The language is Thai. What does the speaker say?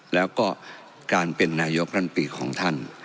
แล้วก็การเป็นนายกรัฐมนตรีของท่าน